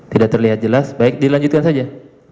tidak terlihat jelas baik dilanjutkan saja